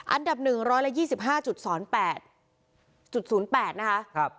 อันดับ๑ร้อยละ๒๕๐๘นะคะ